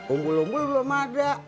umbul umbul belum ada